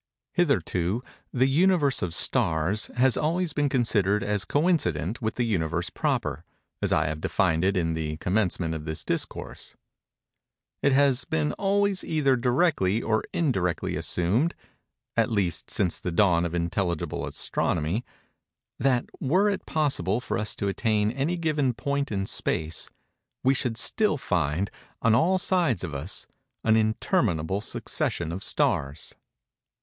Hitherto, the Universe of stars has always been considered as coincident with the Universe proper, as I have defined it in the commencement of this Discourse. It has been always either directly or indirectly assumed—at least since the dawn of intelligible Astronomy—that, were it possible for us to attain any given point in space, we should still find, on all sides of us, an interminable succession of stars.